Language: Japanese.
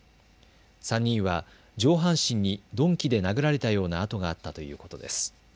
３人は上半身に鈍器で殴られたような痕があったということです。